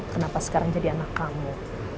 kenapa sekarang jadi anak kamu